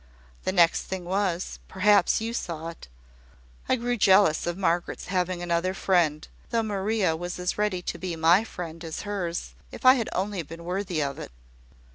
The next thing was perhaps you saw it I grew jealous of Margaret's having another friend, though Maria was as ready to be my friend as hers, if I had only been worthy of it.